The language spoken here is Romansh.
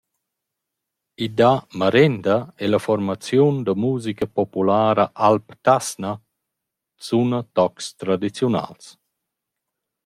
I dà marenda e la fuormaziun da musica populara «Alp Tasna» suna tocs tradiziunals.